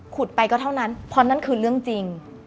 ไปก็เท่านั้นเพราะนั่นคือเรื่องจริง